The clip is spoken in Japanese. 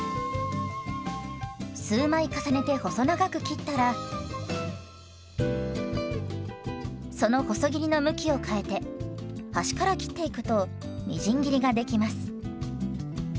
数枚重ねて細長く切ったらその細切りの向きを変えて端から切っていくとみじん切りができます。